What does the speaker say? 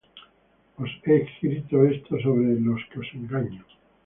Os he escrito esto sobre los que os engañan.